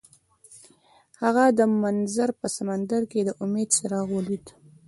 هغه د منظر په سمندر کې د امید څراغ ولید.